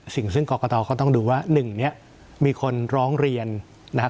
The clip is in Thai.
สิ่งซึ่งกรกตรเขาต้องดูว่าหนึ่งเนี่ยมีคนร้องเรียนนะครับ